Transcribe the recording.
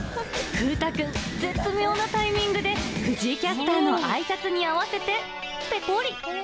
ふうたくん、絶妙なタイミングで藤井キャスターのあいさつに合わせてぺこり。